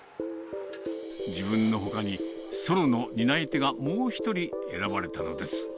自分のほかにソロの担い手がもう１人、選ばれたのです。